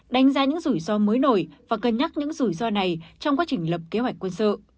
đánh giá những rủi ro mới nổi và cân nhắc những rủi ro này trong quá trình lập kế hoạch quân sự